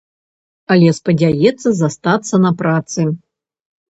Але спадзяецца застацца на працы.